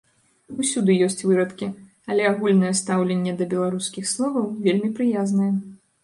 Усюды ёсць вырадкі, але агульнае стаўленне да беларускіх словаў вельмі прыязнае.